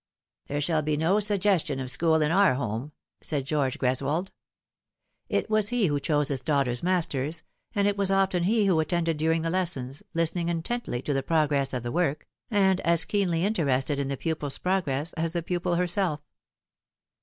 " There shall be no suggestion of school in onr home," said George Greswold. It was he who chose his daughter's masters, and it was often he who attended during the lesson, listening intently to the pro gress of the work, and as keenly interested in the pupil's progress as the pupil herself.